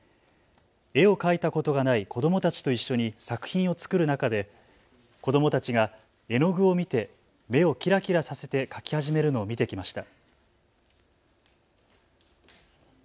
絵を描いたことがない子どもたちと一緒に作品を作る中で子どもたちが絵の具を見て目をキラキラさせて描き始めるのを見てきました。